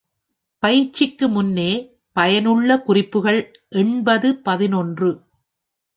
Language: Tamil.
பயிற்சிக்கு முன்னே பயனுள்ள குறிப்புகள் எண்பது பதினொன்று .